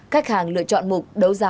cách hàng lựa chọn mục đấu giá